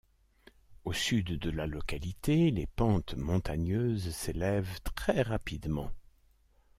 Au sud de la localité, les pentes montagneuses s’élèvent très rapidement.